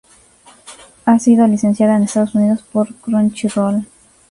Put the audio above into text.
Ha sido licenciada en Estados Unidos por Crunchyroll.